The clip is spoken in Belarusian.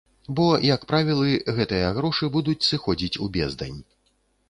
Бо, як правілы, гэтыя грошы будуць сыходзіць у бездань.